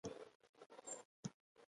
تریخوالی او مالګینوالی هم معلوموي.